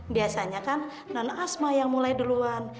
biasanya kan nana asma yang mulai duluan